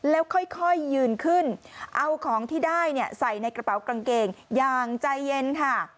แล้วค่อยยืนขึ้นเอาของที่ได้ใส่ในกระเป๋ากางเกงอย่างใจเย็นค่ะ